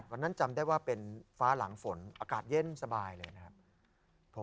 จำได้ว่าเป็นฟ้าหลังฝนอากาศเย็นสบายเลยนะครับ